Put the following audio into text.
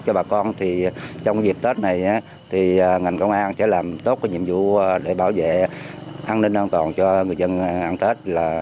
cho bà con thì trong dịp tết này thì ngành công an sẽ làm tốt cái nhiệm vụ để bảo vệ an ninh an toàn cho người dân ăn tết